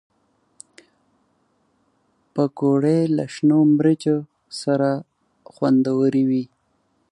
پکورې له شنو مرچو سره خوندورې وي